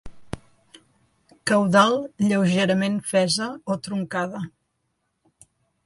Caudal lleugerament fesa o truncada.